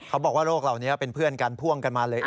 เขาบอกว่าโรคเหล่านี้เป็นเพื่อนกันพ่วงกันมาเลย